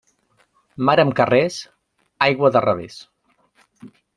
Mar amb carrers, aigua de revés.